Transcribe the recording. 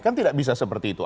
kan tidak bisa seperti itu